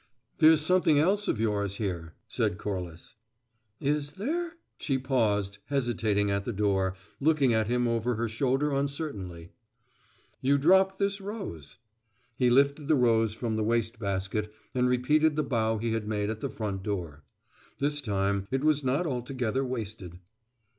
"There's something else of yours here," said Corliss. "Is there?" She paused, hesitating at the door, looking at him over her shoulder uncertainly. "You dropped this rose." He lifted the rose from the waste basket and repeated the bow he had made at the front door. This time it was not altogether wasted.